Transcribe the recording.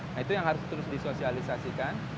nah itu yang harus terus disosialisasikan